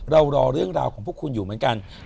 เรารอเรื่องราวคุณอยู่เหมือนกัน